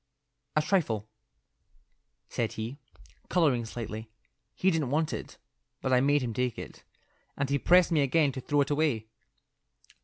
"A trifle," said he, colouring slightly. "He didn't want it, but I made him take it. And he pressed me again to throw it away."